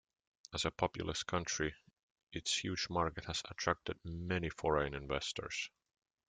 As a populous country, its huge market has attracted many foreign investors.